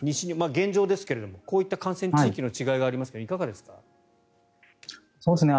現状ですけれどこういった感染地域の違いがありますがいかがですか。